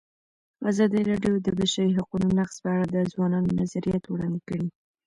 ازادي راډیو د د بشري حقونو نقض په اړه د ځوانانو نظریات وړاندې کړي.